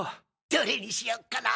どれにしよっかな。